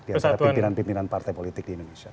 di antara pimpinan pimpinan partai politik di indonesia